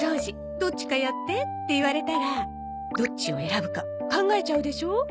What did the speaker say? どっちかやってって言われたらどっちを選ぶか考えちゃうでしょ？